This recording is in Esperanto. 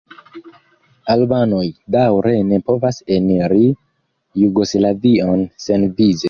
Albanoj daŭre ne povas eniri Jugoslavion senvize.